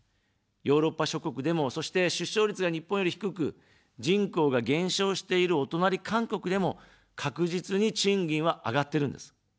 ヨーロッパ諸国でも、そして、出生率が日本より低く、人口が減少しているお隣、韓国でも、確実に賃金は上がってるんです。